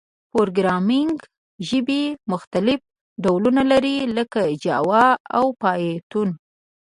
پروګرامینګ ژبي مختلف ډولونه لري، لکه جاوا او پایتون.